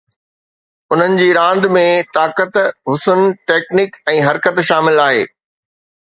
انهن جي راند ۾ طاقت، حسن، ٽيڪنڪ ۽ حرڪت شامل آهي.